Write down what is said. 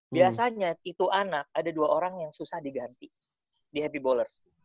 biasanya itu anak ada dua orang yang susah diganti di happy boller